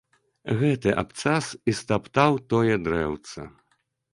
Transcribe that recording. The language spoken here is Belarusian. Гэты абцас і стаптаў тое дрэўца!